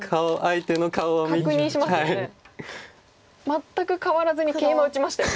全く変わらずにケイマ打ちましたよ